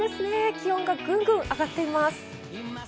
気温がぐんぐん上がっています。